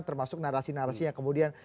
termasuk narasi narasinya kemudian